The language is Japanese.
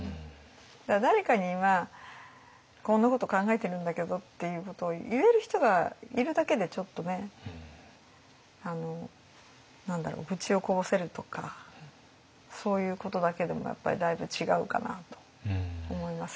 誰かに「今こんなこと考えてるんだけど」っていうことを言える人がいるだけでちょっとね何だろう愚痴をこぼせるとかそういうことだけでもやっぱりだいぶ違うかなと思いますけど。